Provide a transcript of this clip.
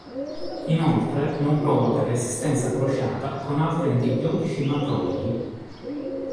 Inoltre non provoca resistenza crociata con altri antibiotici macrolidi.